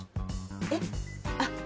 えっ？あっ。